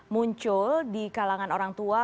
muncul di kalangan orang tua